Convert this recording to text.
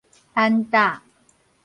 安搭